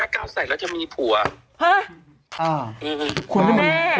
ข้าบอกว่า๑๕๙ใส่แล้วจะมีผัว